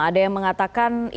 ada yang mengatakan